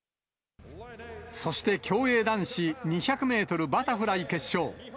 そして競泳男子２００メートルバタフライ決勝。